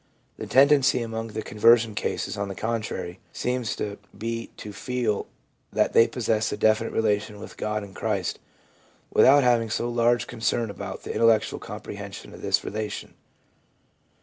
The tendency among the conversion cases, on the contrary, seems to be to feel that they possess a definite relation with God and Christ without having so large concern about the intellectual comprehension of this relation.